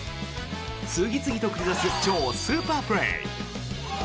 次々と繰り出す超スーパープレー。